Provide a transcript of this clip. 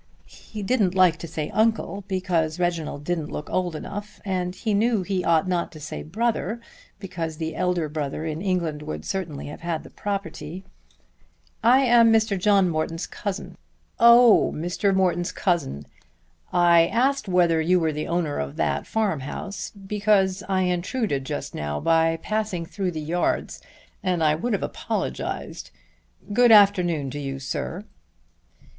He didn't like to say uncle because Reginald didn't look old enough, and he knew he ought not to say brother, because the elder brother in England would certainly have had the property. "I am Mr. John Morton's cousin." "Oh; Mr. Morton's cousin. I asked whether you were the owner of that farm house because I intruded just now by passing through the yards, and I would have apologized. Good afternoon to you, sir."